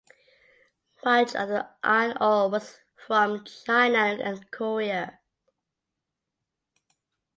Much of the iron ore was from China and Korea.